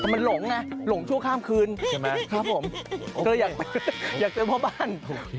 มันหลงชั่วข้ามคืนเธออยากเจอพ่อบ้าน